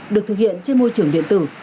được thực hiện trên môi trường điện tử